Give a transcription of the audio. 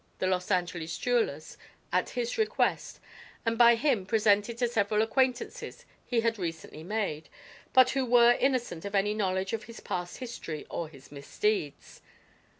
the Los Angeles jewelers, at his request, and by him presented to several acquaintances he had recently made but who were innocent of any knowledge of his past history or his misdeeds.